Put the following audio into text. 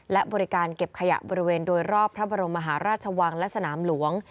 และบริการเก็บขยะบริเวณโดยรอบพระบรมมหาราชวังและสนามหลวง